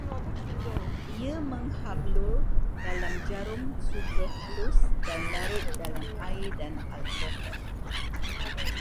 Ia menghablur dalam jarum sutera halus dan larut dalam air dan alkohol